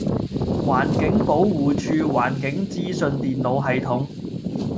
環境保護署環境資訊電腦系統